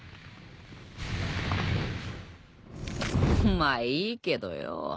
まっいいけどよ。